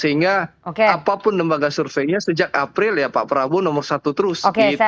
sehingga apapun lembaga surveinya sejak april ya pak prabowo nomor satu terus